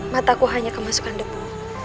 mataku hanya kemasukan debu